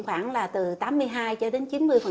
khoảng là từ tám mươi hai cho đến chín mươi